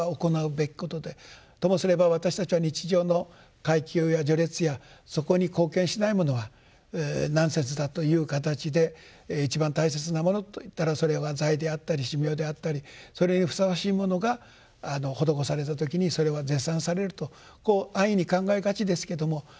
ともすれば私たちは日常の階級や序列やそこに貢献しないものはナンセンスだという形で一番大切なものといったらそれは財であったり身命であったりそれにふさわしいものが施された時にそれは絶賛されるとこう安易に考えがちですけどもそうではない。